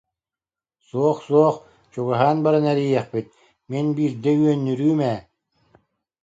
Суох, суох, чугаһаан баран эрийиэхпит, мин биирдэ үөннүрүүм ээ